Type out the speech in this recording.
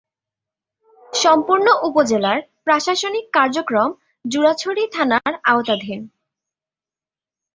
সম্পূর্ণ উপজেলার প্রশাসনিক কার্যক্রম জুরাছড়ি থানার আওতাধীন।